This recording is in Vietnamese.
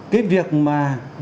cái việc mà